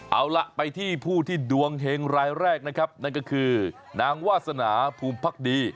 เอาล่ะไปที่ผู้ที่ดวงเฮงรายแรกนะครับนั่นก็คือนางวาสนาภูมิพักดี